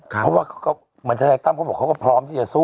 เพราะว่าเหมือนท่านนายต้ำเขาบอกว่าเขาก็พร้อมอย่าสู้